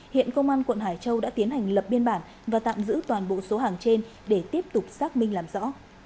hiện công an quận hải châu đã tiến hành lập biên bản và tạm giữ toàn bộ số hàng trên để tiếp tục xác minh làm rõ